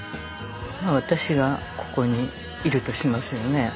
私がここにいるとしますよね。